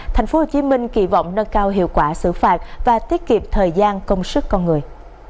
tp hcm kỳ vọng nâng cao hiệu quả xử phạt và tiết kiệm thời gian công sức con người